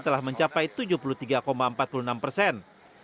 telah mencapai tujuh puluh tiga empat puluh enam persen